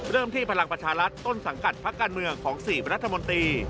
ที่พลังประชารัฐต้นสังกัดพักการเมืองของ๔รัฐมนตรี